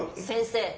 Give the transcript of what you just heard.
先生